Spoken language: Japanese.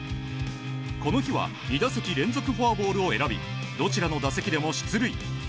この日は２打席連続フォアボールを選びどちらの打席でも出塁。